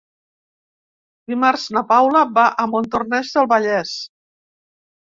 Dimarts na Paula va a Montornès del Vallès.